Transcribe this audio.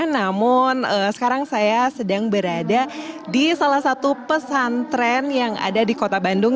namun sekarang saya sedang berada di salah satu pesantren yang ada di kota bandung